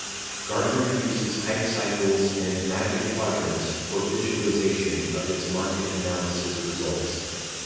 Gartner uses hype cycles and Magic Quadrants for visualization of its market analysis results.